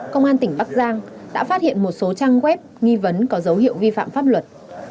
công an tỉnh bắc giang đã phát hiện một số trang web nghi vấn có dấu hiệu vi phạm pháp luật